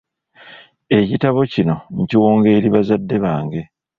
Ekitabo kino nkiwonga eri bazadde bange,